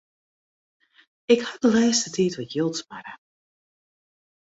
Ik haw de lêste tiid wat jild sparre.